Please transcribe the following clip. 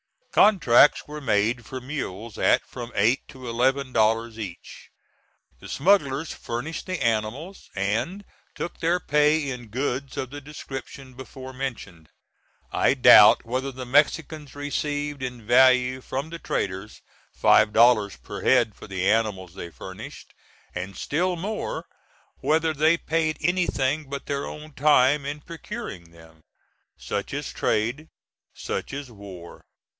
Contracts were made for mules at from eight to eleven dollars each. The smugglers furnished the animals, and took their pay in goods of the description before mentioned. I doubt whether the Mexicans received in value from the traders five dollars per head for the animals they furnished, and still more, whether they paid anything but their own time in procuring them. Such is trade; such is war.